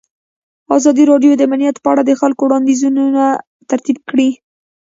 ازادي راډیو د امنیت په اړه د خلکو وړاندیزونه ترتیب کړي.